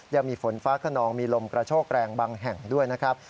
ยังมีฝนฟ้าขนองมีลมกระโชกแรงบางแห่งด้วยนะครับ